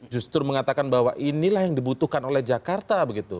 justru mengatakan bahwa inilah yang dibutuhkan oleh jakarta begitu